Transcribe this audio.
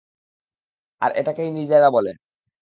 আর এটাকেই নির্জারা বলে।